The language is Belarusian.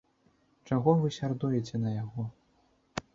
Чаго вы сярдуеце на яго?